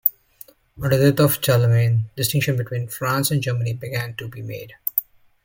On the death of Charlemagne, distinctions between France and Germany began to be made.